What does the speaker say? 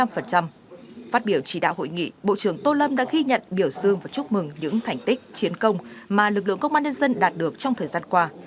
phát biểu chỉ đạo hội nghị bộ trưởng tô lâm đã ghi nhận biểu dương và chúc mừng những thành tích chiến công mà lực lượng công an nhân dân đạt được trong thời gian qua